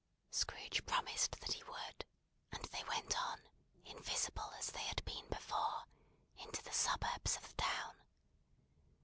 Scrooge promised that he would; and they went on, invisible, as they had been before, into the suburbs of the town.